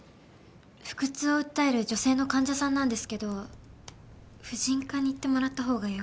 腹痛を訴える女性の患者さんなんですけど婦人科に行ってもらったほうがよくないですか？